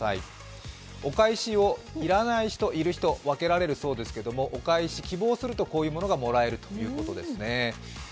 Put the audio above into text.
お返し、要らない人、要る人分けられるようですがお返しを希望するとこういうものがもらえるということですね。